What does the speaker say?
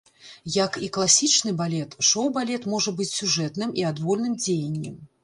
Як і класічны балет, шоу-балет можа быць сюжэтным і адвольным дзеяннем.